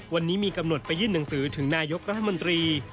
วันนี้มีกำหนดไปยื่นหนังสือถึงนายกรัฐมนตรี